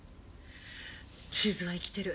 地図は生きている。